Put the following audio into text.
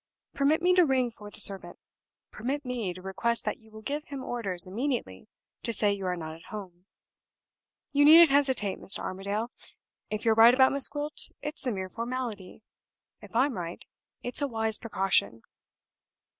Permit me to ring for the servant permit me to request that you will give him orders immediately to say you are not at home. You needn't hesitate, Mr. Armadale! If you're right about Miss Gwilt, it's a mere formality. If I'm right, it's a wise precaution.